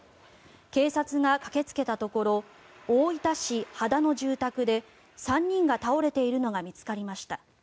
警察が駆けつけたところ大分市羽田の住宅で３人が倒れているのが見つかりました。